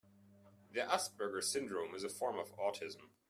The Asperger syndrome is a form of autism.